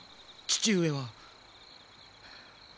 父上は。